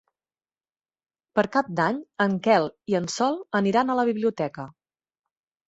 Per Cap d'Any en Quel i en Sol aniran a la biblioteca.